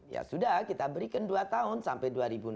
ya sudah kita berikan dua tahun sampai dua ribu enam belas